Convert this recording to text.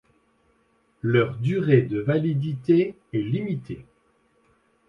Leur durée de validité est limitée.